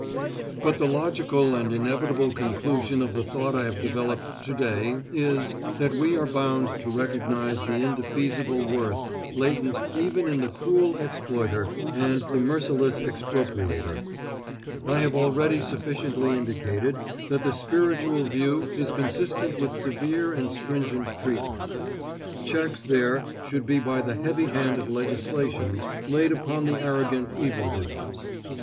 But the logical and inevitable conclusion of the thought I have developed to day is, that we are bound to recognize the indefeasible worth latent even in the cruel exploiter and the merciless expropriator. I have already sufficiently indicated that the spiritual view is consistent with severe and stringent treatment. Checks there should be by the heavy hand of legislation laid upon the arrogant evildoers.